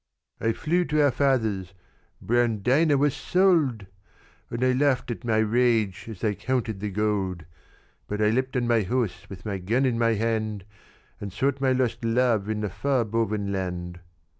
"I flew to our father's. Brown Dinah was sold! And they laughed at my rage as they counted the gold. But I leaped on my horse, with my gun in my hand, And sought my lost love in the far Bovenland.